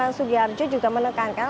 dengan sudi arjo juga menekankan